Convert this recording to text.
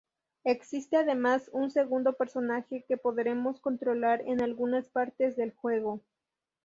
Existe además un segundo personaje que podremos controlar en algunas partes del juego.